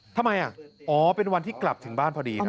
ทำไมอ๋อเป็นวันที่กลับถึงบ้านพอดีครับ